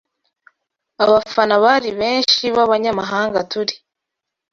Abafana bari benshi b’abanyamahanga turi